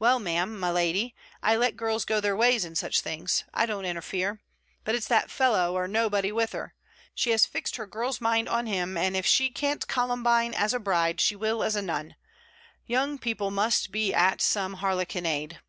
'Well, ma'am my lady I let girls go their ways in such things. I don't interfere. But it's that fellow, or nobody, with her. She has fixed her girl's mind on him, and if she can't columbine as a bride, she will as a nun. Young people must be at some harlequinade.'